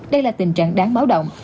đây là tình trạng đáng báo động